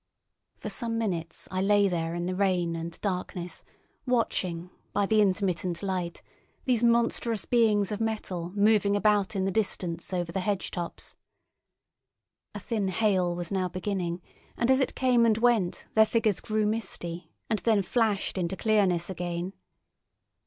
For some minutes I lay there in the rain and darkness watching, by the intermittent light, these monstrous beings of metal moving about in the distance over the hedge tops. A thin hail was now beginning, and as it came and went their figures grew misty and then flashed into clearness again.